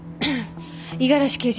五十嵐刑事